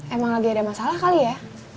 emang lagi ada masalah kali ya